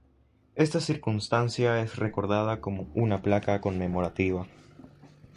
Esta circunstancia es recordada con una placa conmemorativa.